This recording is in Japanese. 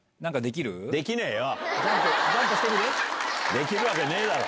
できるわけねえだろ！